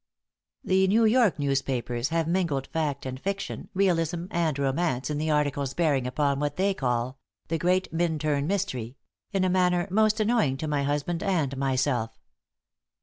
The New York newspapers have mingled fact and fiction, realism and romance, in the articles bearing upon what they call "The Great Minturn Mystery," in a manner most annoying to my husband and myself.